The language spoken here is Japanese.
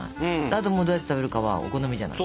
あともうどうやって食べるかはお好みじゃない。